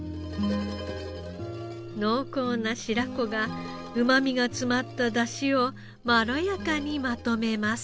濃厚な白子がうまみが詰まった出汁をまろやかにまとめます。